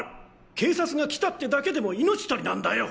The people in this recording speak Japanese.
警察が来たってだけでも命取りなんだよ！